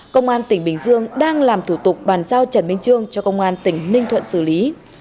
công an tỉnh bình dương đang làm thủ tục bàn giao trần minh trương cho công an tỉnh ninh thuận xử lý